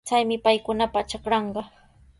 Chaymi paykunapa trakranqa.